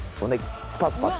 スパスパっ！